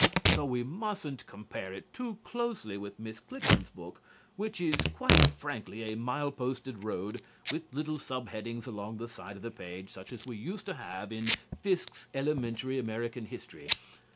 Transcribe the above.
So we mustn't compare it too closely with Miss Klickmann's book, which is quite frankly a mile posted road, with little sub headings along the side of the page such as we used to have in Fiske's Elementary American History.